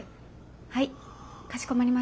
はいかしこまりました。